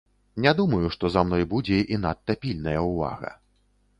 Не думаю, што за мной будзе і надта пільная ўвага.